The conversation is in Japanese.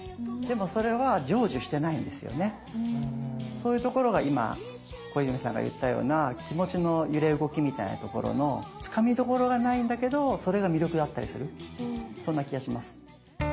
そういうところが今小泉さんが言ったような気持ちの揺れ動きみたいなところのつかみどころがないんだけどそれが魅力だったりするそんな気がします。